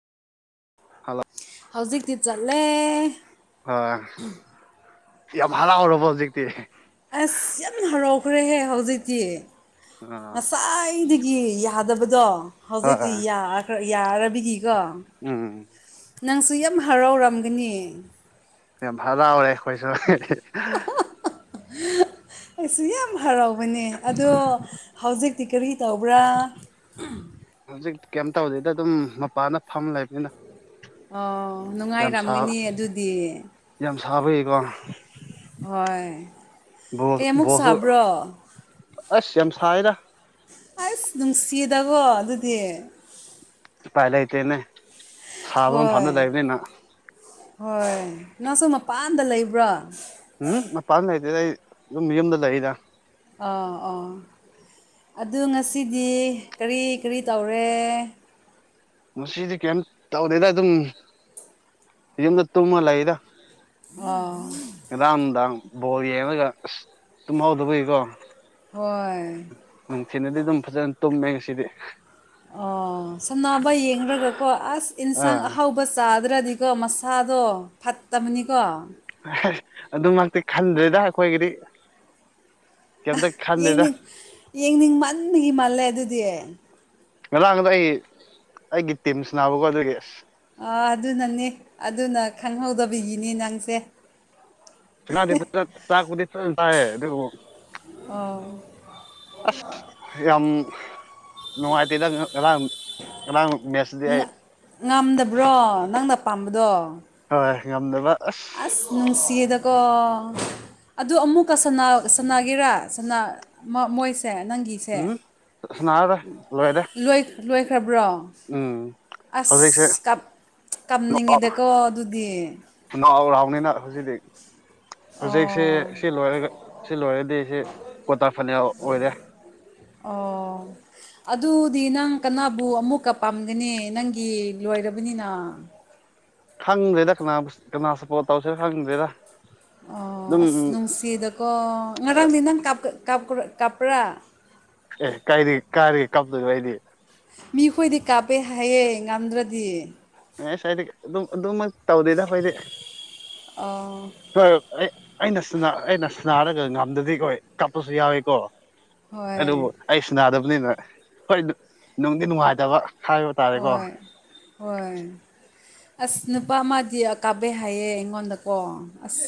hello ꯍꯧꯖꯤꯛꯇꯤ ꯆꯠꯂꯦ ꯑ ꯌꯥꯝ ꯍꯔꯥꯎꯔꯕ ꯍꯧꯖꯤꯛꯇꯤ ꯑꯁ ꯌꯥꯝ ꯍꯔꯥꯎꯈ꯭ꯔꯦꯍꯦ ꯍꯧꯖꯤꯛꯇꯤ ꯑ ꯉꯁꯥꯏꯗꯒꯤ ꯌꯥꯗꯕꯗꯣ ꯍꯣꯏ ꯍꯧꯖꯤꯛꯇꯤ ꯌꯥꯔꯕꯒꯤ ꯎꯝ ꯅꯪꯁꯨ ꯌꯥꯝ ꯍꯔꯥꯎꯔꯝꯒꯅꯤ ꯖꯥꯔꯦ ꯈꯣꯏꯁꯨ ꯑꯩꯁꯨ ꯌꯥꯝ ꯍꯔꯥꯎꯕꯅꯦ ꯑꯗꯣ ꯍꯧꯖꯤꯛ ꯤ ꯀꯔꯤ ꯇꯧꯕ꯭ꯔꯥ ꯍꯧꯖꯤꯛ ꯀꯩꯝ ꯇꯧꯗꯩꯗ ꯑꯗꯨꯝ ꯃꯄꯥꯟꯅ ꯐꯝ ꯂꯩꯕꯅꯤꯅ ꯑꯣ ꯅꯨꯡꯉꯥꯏꯔꯝꯒꯅꯤ ꯑꯗꯨꯗꯤ ꯁꯥꯕ ꯏꯀꯣ ꯍꯣꯏ ꯀꯩꯃꯨꯛ ꯕꯣꯜꯁꯨ ꯁꯥꯕ꯭ꯔꯣ ꯑꯁ ꯌꯥꯝ ꯌꯥꯝ ꯁꯥꯥꯏꯗ ꯑꯁ ꯅꯨꯡꯁꯤꯌꯦꯗꯀꯣ ꯑꯗꯨꯗꯤ ꯎꯄꯥꯏ ꯂꯩꯇꯦꯅꯦ ꯁꯥꯕ ꯍꯣꯏ ꯃꯐꯝꯗ ꯂꯩꯕꯅꯤꯅ ꯍꯣꯏ ꯅꯪꯁꯨ ꯃꯄꯥꯟꯗ ꯂꯩꯕ꯭ꯔꯣ ꯎꯝ ꯃꯄꯥꯟ ꯂꯩꯇꯦꯗ ꯑꯩ ꯑꯗꯨꯝ ꯌꯨꯝꯗ ꯂꯩꯗ ꯑꯥ ꯑꯥ ꯑꯗꯨ ꯉꯁꯤꯗꯤ ꯀꯔꯤ ꯀꯔꯤ ꯇꯧꯔꯦ ꯃꯁꯤꯗꯤ ꯀꯩꯝ ꯇꯧꯗꯦꯗ ꯑꯗꯨꯝ ꯌꯨꯝꯗ ꯇꯨꯝꯃ ꯂꯩꯗ ꯑꯣ ꯉꯔꯥꯡ ꯅꯨꯡꯗꯥꯡ ꯕꯣꯜ ꯌꯦꯡꯉꯒ ꯑꯁ ꯇꯨꯝꯍꯥꯎꯗꯕꯒꯤꯀꯣ ꯍꯣꯏ ꯅꯨꯡꯊꯤꯅꯗꯤ ꯑꯗꯨꯝ ꯐꯖꯅ ꯇꯨꯝꯃꯦ ꯉꯁꯤꯗꯤ ꯑꯣ ꯁꯝꯅꯕ ꯌꯦꯡꯒ ꯀꯣ ꯑꯁ ꯏꯟꯁꯥꯡ ꯑꯥ ꯑꯍꯥꯎꯕ ꯆꯥꯗ꯭ꯔꯗꯤ ꯁꯤꯀꯣ ꯃꯁꯥꯗꯣ ꯐꯠꯇꯕꯅꯤꯀꯣ ꯑꯗꯨꯃꯛꯇꯤ ꯈꯟꯗ꯭ꯔꯦꯗ ꯑꯩꯈꯣꯏꯒꯤꯗꯤ ꯀꯩꯝꯇ ꯈꯟꯗꯦꯗ ꯌꯦꯡꯅꯤꯡ ꯌꯦꯡꯅꯤꯡ ꯃꯟꯒꯤ ꯃꯥꯜꯂꯦ ꯑꯗꯨꯗꯤ ꯉꯔꯥꯡꯗꯣ ꯑꯩ ꯑꯩꯒꯤ ꯇꯤꯝꯁꯤ ꯅꯥꯕꯀꯣ ꯑꯗꯨꯒꯤ ꯑꯁ ꯑꯥ ꯑꯗꯨꯅꯅꯦ ꯑꯗꯨꯅ ꯈꯪꯍꯧꯗꯕꯤꯒꯤꯅꯤ ꯅꯪꯁꯦ ꯆꯗꯤ ꯄꯨ ꯆꯗꯤ ꯇꯔꯦ ꯑꯗꯨ ꯑꯣ ꯑꯁ ꯌꯥꯝ ꯅꯨꯡꯉꯥꯏꯇꯦꯗꯪ ꯉꯝꯗꯕ꯭ꯔꯣ ꯅꯪꯅꯄꯥꯥꯝꯕꯗꯣ ꯍꯣꯏ ꯉꯝꯗꯕ ꯑꯁ ꯅꯨꯡꯁꯤꯌꯦꯗ ꯀ ꯑꯗꯨ ꯑꯃꯨꯛꯀ ꯁꯅꯥꯒꯤꯔꯥ ꯃꯣꯏ ꯁꯦ ꯅꯪꯒꯤꯁꯦ ꯎꯝ ꯁꯅꯥꯔꯔꯣꯏ ꯎ ꯂꯣꯏꯔꯦ ꯂꯣꯏ ꯕ꯭ꯔꯣꯝ ꯎꯝ ꯍꯧꯖꯤꯛꯁꯦ ꯑꯁꯞ ꯀꯥꯞꯅꯤꯡꯉꯤꯗꯀꯣ ꯑꯗꯨꯗꯤ ꯃꯅ ꯍꯧꯖꯤꯛ ꯍꯧꯖꯤꯛꯁꯤ ꯑꯣ ꯁꯤ ꯂꯣꯏꯔꯒ ꯁꯤ ꯂꯣꯏꯔꯗꯤ ꯁꯤ ꯀ꯭ꯣꯇꯥ ꯐꯅꯜ ꯑꯣꯏꯔꯦ ꯑꯣ ꯑꯗꯨꯗꯤ ꯅꯪ ꯀꯅꯥꯕꯨ ꯑꯃꯨꯛꯀ ꯄꯥꯝꯒꯅꯤ ꯅꯪꯒꯤ ꯂꯣꯏꯔꯕꯅꯤꯅ ꯈꯪꯗ꯭ꯔꯦꯗ ꯀꯅꯥ ꯀꯅꯥ ꯁꯞꯄꯣꯔꯠ ꯇꯧꯁꯦ ꯈꯪꯗ꯭ꯔꯦꯗ ꯑꯣ ꯑꯗꯨꯝ ꯑꯁ ꯅꯨꯡꯁꯤꯗꯀꯣ ꯉꯔꯥꯡꯗꯤ ꯅꯪ ꯀ ꯀꯥ ꯀꯄꯔꯥ ꯑꯦ ꯀꯥꯏꯔꯤ ꯀꯥꯏꯔꯤ ꯀꯞꯗꯨ ꯀꯔꯤ ꯃꯤꯈꯣꯏꯗꯤ ꯀꯥꯞꯄꯦ ꯍꯥꯏꯌꯦ ꯉꯝꯗ꯭ꯔꯗꯤ ꯑꯦꯁ ꯍꯥꯏꯏꯗꯤ ꯑꯗꯨꯝ ꯑꯗꯨꯃꯛ ꯇꯧꯗꯦꯗ ꯐꯗꯤꯦ ꯑꯣ ꯍꯣꯏ ꯑꯩ ꯑꯩꯅ ꯑꯩꯅ ꯁ ꯁꯅꯥꯔꯒ ꯉꯝꯗꯗꯤ ꯑꯩꯣꯏ ꯀꯥꯞꯄꯁꯨ ꯌꯥꯎꯏꯦꯀꯣ ꯑꯗꯨꯕꯨ ꯍꯣꯏ ꯑꯩ ꯁꯤꯅꯥꯗꯕꯅꯤꯅ ꯍꯣꯏ ꯅꯨꯡꯗꯤ ꯅꯨꯡꯉꯥꯏꯇꯕ ꯍꯥꯏꯕ ꯇꯥꯔꯦꯀꯣ ꯍꯣꯏ ꯍꯣꯏ ꯑꯁ ꯅꯨꯄꯥ ꯑꯃꯗꯤꯗꯤ ꯀꯥꯕꯩ ꯍꯥꯏꯌꯦ ꯑꯩꯉꯣꯟꯗꯀꯣ ꯑꯁ